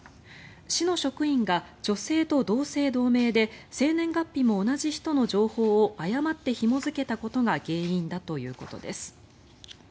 市の職員が、女性と同姓同名で生年月日も同じ人の情報を誤ったひも付けたことが原因だということです。